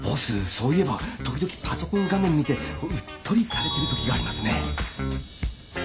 そういえば時々パソコン画面見てうっとりされてるときがありますね。